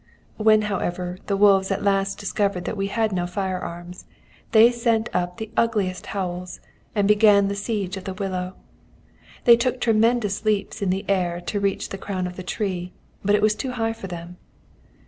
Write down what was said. "When, however, the wolves at last discovered that we had no fire arms, they sent up the ugliest howls, and began the siege of the willow. They took tremendous leaps in the air to reach the crown of the tree, but it was too high for them.